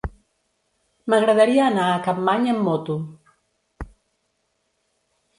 M'agradaria anar a Capmany amb moto.